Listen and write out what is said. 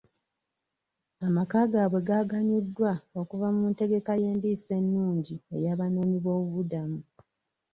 Amaka gaabwe gaganyuddwa okuva mu ntegeka y'endiisa ennungi ey'abanoonyi b'obubuddamu.